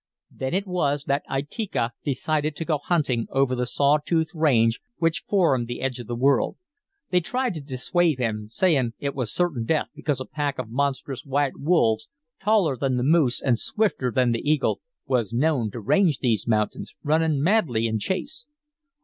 "Then it was that Itika decided to go hunting over the saw tooth range which formed the edge of the world. They tried to dissuade him, saying it was certain death because a pack of monstrous white wolves, taller than the moose and swifter than the eagle, was known to range these mountains, running madly in chase.